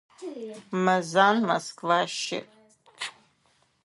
Мэзан Москва щыӏ.